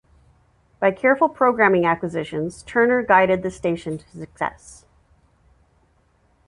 By careful programming acquisitions, Turner guided the station to success.